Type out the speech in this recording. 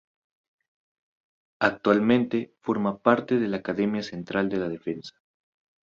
Actualmente forma parte de la Academia Central de la Defensa.